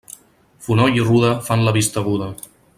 Fonoll i ruda fan la vista aguda.